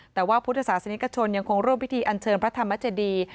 แต่ว่าพุทธศาสนิกชนยังคงร่วมพิธีอันเชิญพระธรรมเจดี